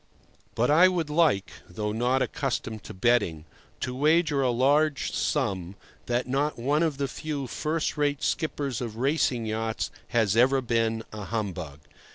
But I would like (though not accustomed to betting) to wager a large sum that not one of the few first rate skippers of racing yachts has ever been a humbug.